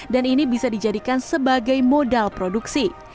dan ini bisa dijadikan sebagai modal produksi